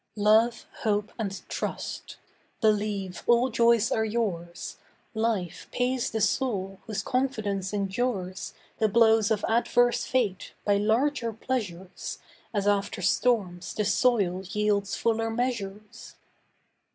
Love, hope and trust; believe all joys are yours, Life pays the soul whose confidence endures, The blows of adverse fate, by larger pleasures, As after storms the soil yields fuller measures.